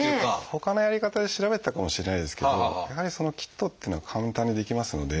ほかのやり方で調べてたかもしれないですけどやはりそのキットっていうのは簡単にできますので。